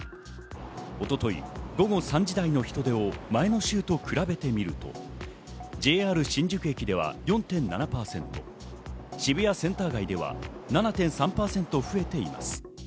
一昨日、午後３時台の人出を前の週と比べてみると、ＪＲ新宿駅では４．７％、渋谷センター街では７．３％増えています。